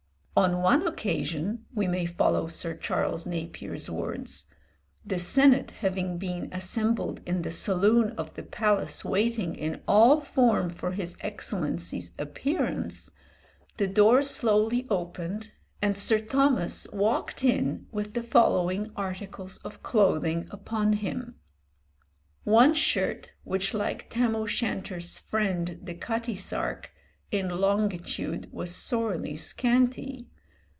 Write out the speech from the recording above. "On one occasion," we may follow Sir Charles Napier's words, "the senate having been assembled in the saloon of the palace waiting in all form for his Excellency's appearance, the door slowly opened and Sir Thomas walked in with the following articles of clothing upon him: "One shirt, which like Tam o' Shanter's friend, the cutty sark, "In longitude was sorely scanty."